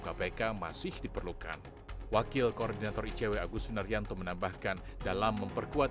kpk masih diperlukan wakil koordinator icw agus sunaryanto menambahkan dalam memperkuat